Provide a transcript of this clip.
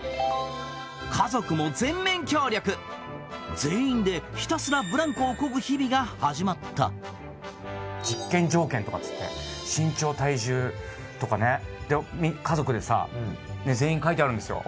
家族も全面協力全員でひたすらブランコをこぐ日々が始まった実験条件とかっつって身長体重とかねで家族でさ全員書いてあるんですよ